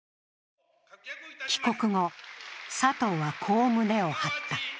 帰国後、佐藤はこう胸を張った。